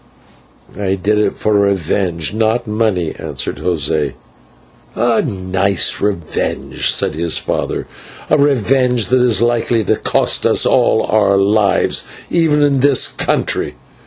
"I did it for revenge, not money," answered José. "A nice revenge," said his father, "a revenge that is likely to cost us all our lives, even in this country.